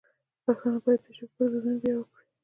پښتانه باید د ژبې پر دودونو ویاړ وکړي.